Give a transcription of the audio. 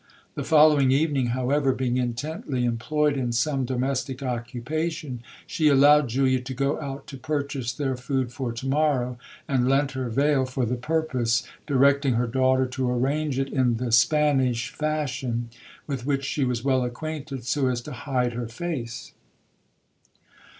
The following evening, however, being intently employed in some domestic occupation, she allowed Julia to go out to purchase their food for to morrow, and lent her veil for the purpose, directing her daughter to arrange it in the Spanish fashion, with which she was well acquainted, so as to hide her face.